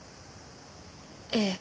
ええ。